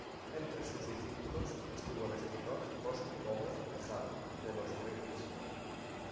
Entre sus discípulos estuvo el escritor Cosme Gómez Tejada de los Reyes.